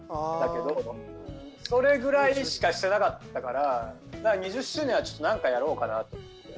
それぐらいにしかしてなかったから２０周年はちょっと何かやろうかなと。